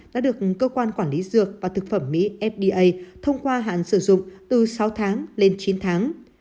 đã được cơ quan quản lý dược và thực phẩm mỹ fda thông qua hạn sử dụng từ sáu tháng lên chín tháng